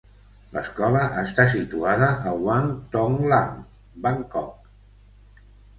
L'escola està situada a Wang Thong Lang, Bangkok.